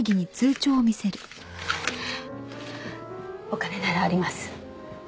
お金ならあります。